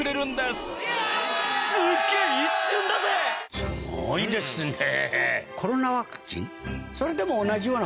すごいですね。